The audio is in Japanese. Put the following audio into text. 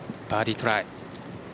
バーディートライ。